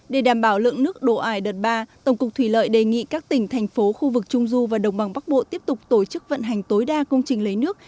để đảm bảo lượng nước đổ ải đợt ba tổng cục thủy lợi đề nghị các tỉnh thành phố khu vực trung du và đồng bằng bắc bộ tiếp tục tổ chức vận hành tối đa công trình lấy nước